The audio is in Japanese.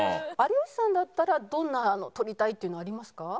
有吉さんだったらどんなのを撮りたいっていうのありますか？